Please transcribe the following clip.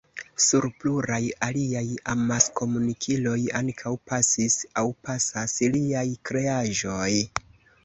Sur pluraj aliaj amaskomunikiloj ankaŭ pasis aŭ pasas liaj kreaĵoj.